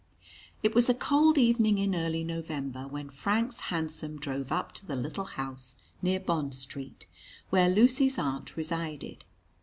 It was a cold evening in early November when Frank's hansom drove up to the little house near Bond Street, where Lucy's aunt resided.